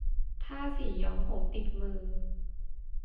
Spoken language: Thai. ถ้าสีย้อมผมติดมือ